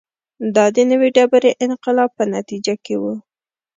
دا د نوې ډبرې انقلاب په نتیجه کې و